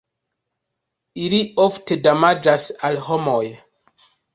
Ili ofte damaĝas al homoj.